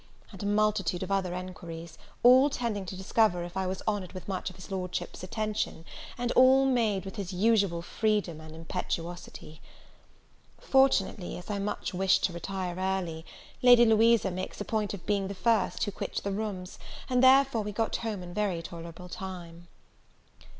and a multitude of other enquiries, all tending to discover if I was honoured with much of his Lordship's attention, and all made with his usual freedom and impetuosity. Fortunately, as I much wished to retire early, Lady Louisa makes a point of being the first who quit the rooms, and therefore we got home in very tolerable time.